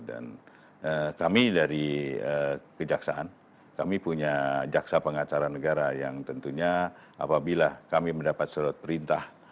dan kami dari kejaksaan kami punya jaksa pengacara negara yang tentunya apabila kami mendapat surat perintah